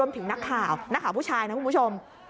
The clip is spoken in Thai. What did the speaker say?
ถึงนักข่าวนักข่าวผู้ชายนะคุณผู้ชม